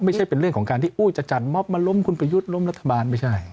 ไม่ใช่เป็นเรื่องของการที่จะจัดมอบมาล้มคุณประยุทธ์ล้มรัฐบาลไม่ใช่